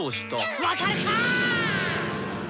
分かるか！